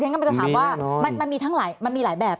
ยังกำลังจะถามว่ามันมีทั้งรายแบบ